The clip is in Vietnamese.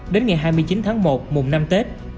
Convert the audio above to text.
đến ngày hai mươi chín tháng một mùng năm tết